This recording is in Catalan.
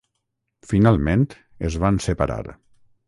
Finalment es van separar.